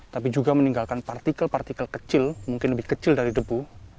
tapi juga meninggalkan partikel partikel kecil mungkin lebih kecil dari debu